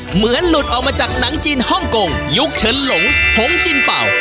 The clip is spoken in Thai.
หลุดออกมาจากหนังจีนฮ่องกงยุคเชิญหลงผงจินเป่า